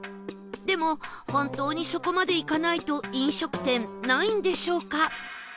でも本当にそこまで行かないと飲食店ないんでしょうか？